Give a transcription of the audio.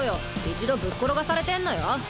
一度ぶっ転がされてんのよ。